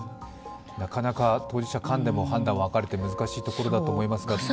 なかなか当事者間でも判断は分かれて難しいところだと思いますが。